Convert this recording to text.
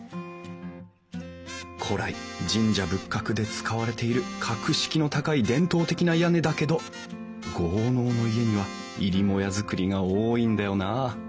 古来神社仏閣で使われている格式の高い伝統的な屋根だけど豪農の家には入母屋造りが多いんだよなあ。